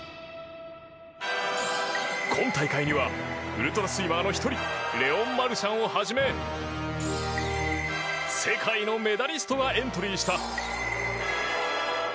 今大会にはウルトラスイマーの１人レオン・マルシャンをはじめ世界のメダリストがエントリーした。